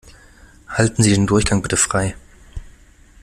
Halten Sie den Durchgang bitte frei!